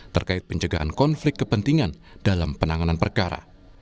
terkait pencegahan konflik kepentingan dalam penanganan perkara